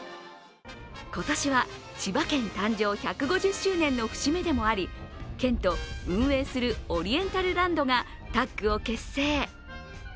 今年は千葉県誕生１５０周年の節目でもあり、県と運営するオリエンタルランドがタッグを結成。